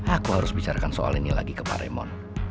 aku harus bicara soal ini lagi ke pak raymond